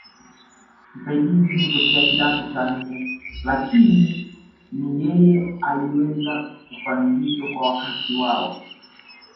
Msaidizi hutokea kidato cha nne Lakini ni yeye aliweza kufanya hivyo kwa wakati wao